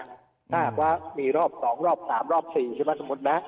ถ้าหากว่ามีรอบ๒รอบ๓รอบ๔ใช่ไหมสมมุตินะ